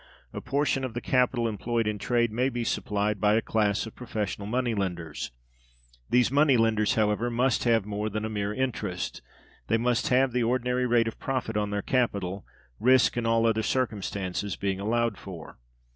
A portion of the capital employed in trade may be supplied by a class of professional money lenders. These money lenders, however, must have more than a mere interest; they must have the ordinary rate of profit on their capital, risk and all other circumstances being allowed for.